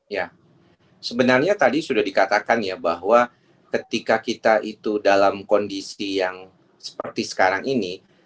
ya sebenarnya tadi sudah dikatakan ya bahwa ketika kita itu dalam kondisi yang seperti sekarang ini